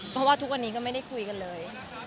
เพราะว่าทุกวันนี้ก็ไม่ได้คุยกันเลย